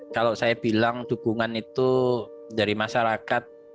kalau saya bilang dukungan itu dari masyarakat